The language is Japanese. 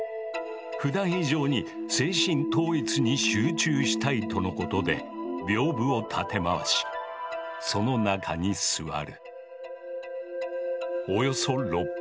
ふだん以上に精神統一に集中したいとのことで屏風を立て回しその中に座る。